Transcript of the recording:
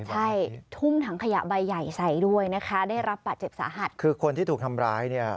ใช่ทุ่มถังขยะใบใหญ่ใสด้วยนะคะ